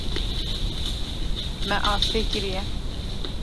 Me asê kiriye.